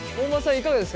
いかがですか？